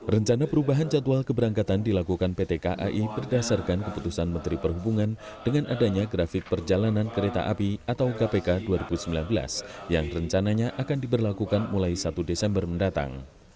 rencana perubahan jadwal keberangkatan dilakukan pt kai berdasarkan keputusan menteri perhubungan dengan adanya grafik perjalanan kereta api atau kpk dua ribu sembilan belas yang rencananya akan diberlakukan mulai satu desember mendatang